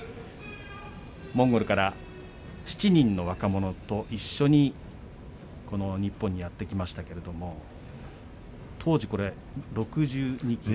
モンゴルから７人の若者と一緒にこの日本にやって来ましたけれども当時６２ｋｇ。